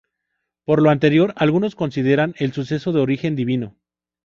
Por lo anterior algunos consideran el suceso de origen divino.